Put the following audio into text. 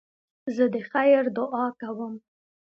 زه د خیر دؤعا کوم.